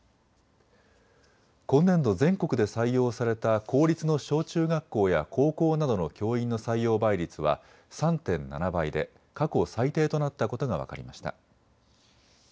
今年度、全国で採用された公立の小中学校や高校などの教員の採用倍率は３．７倍で過去最低となったことが分かりました。